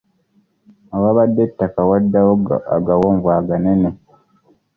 Awabadde ettaka waddawo agawonvu aganene.